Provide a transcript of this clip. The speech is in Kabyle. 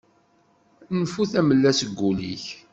Nfu tamella seg ul-ik!